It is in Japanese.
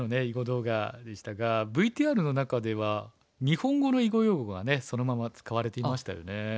囲碁動画でしたがＶＴＲの中では日本語の囲碁用語がねそのまま使われていましたよね。